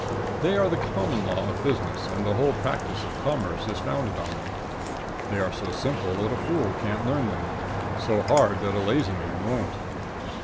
They are the common law of business, and the whole practice of commerce is founded on them. They are so simple that a fool can't learn them; so hard that a lazy man won't.